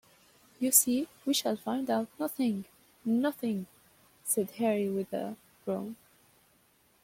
"You see, we shall find out nothing — nothing," said Harry, with a groan.